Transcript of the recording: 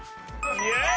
イエーイ！